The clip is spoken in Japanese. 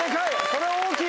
これ大きい！